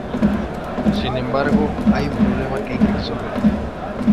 Sin embargo hay un problema que hay que resolver.